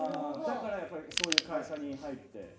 だからそういう会社に入って。